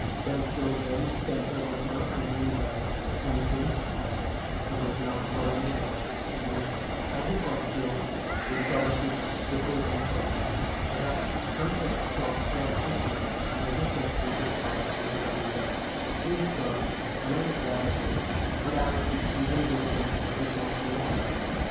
Thus, though Ben's temper was not easily roused, and soon subsided, he was now thoroughly mad, and, had he caught Joe, would probably have crippled him for life. Perhaps some such thought crossed his mind, as he said to his father on coming down, "He's gone, and I'm glad of it; but I'll be even with him before snow flies."